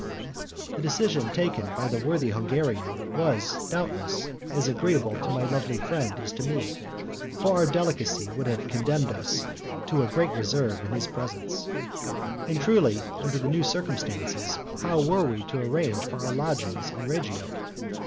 The decision taken by the worthy Hungarian was, doubtless, as agreeable to my lovely friend as to me, for our delicacy would have condemned us to a great reserve in his presence. And truly, under the new circumstances, how were we to arrange for our lodgings in Reggio?